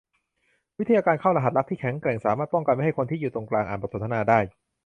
วิทยาการเข้ารหัสลับที่แข็งแกร่งสามารถป้องกันไม่ให้คนที่อยู่ตรงกลางอ่านบทสนทนาได้